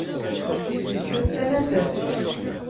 Nettat d tanasaft.